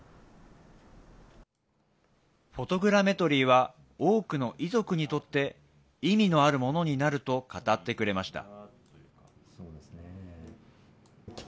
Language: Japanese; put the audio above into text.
フォトグラメトリーは、多くの遺族にとって意味のあるものになると語ってくれました。